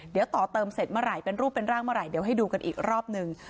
เดี๋ยวต่อเติมเสร็จเมื่อไหร่เป็นรูปเป็นร่างเมื่อไหร่เดี๋ยวให้ดูกันอีกรอบหนึ่ง